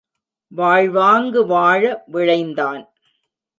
வாழ்வாங்கு வாழ விழைந்தான்.